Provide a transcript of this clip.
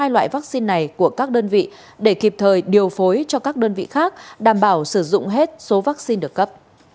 hai loại vaccine này của các đơn vị để kịp thời điều phối cho các đơn vị khác đảm bảo sử dụng hết số vaccine được cấp